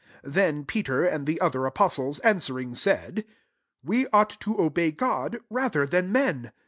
29 llicn Peter and the other apostles answering, said, We ought to obey God rather than men.